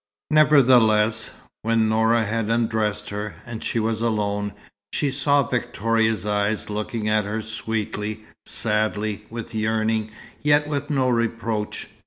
Nevertheless, when Noura had undressed her, and she was alone, she saw Victoria's eyes looking at her sweetly, sadly, with yearning, yet with no reproach.